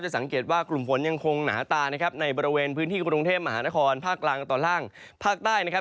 สังเกตว่ากลุ่มฝนยังคงหนาตานะครับในบริเวณพื้นที่กรุงเทพมหานครภาคกลางตอนล่างภาคใต้นะครับ